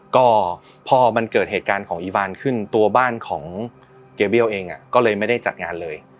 ก็พอมันเกิดเหตุการณ์ของอีฟานขึ้นตัวบ้านของเกียร์เบี้ยวเองก็เลยไม่ได้จัดงานเลย